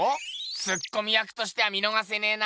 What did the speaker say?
ツッコミ役としては見のがせねぇな。